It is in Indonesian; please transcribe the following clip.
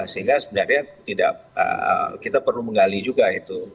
sehingga sebenarnya tidak kita perlu menggali juga itu